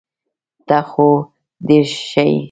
ته خو ډير ښه يي .